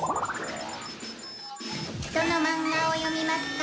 「どのマンガを読みますか？